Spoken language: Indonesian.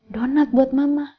donat buat mama